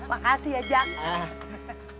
makasih ya jak